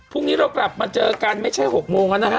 พรุ่งนี้เรากลับมาเจอกันไม่ใช่๖โมงแล้วนะฮะ